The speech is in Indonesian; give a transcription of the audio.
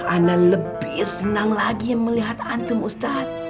ana lebih senang lagi melihat antum ustadz